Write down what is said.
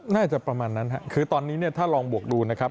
น่าจะประมาณนั้นครับคือตอนนี้เนี่ยถ้าลองบวกดูนะครับ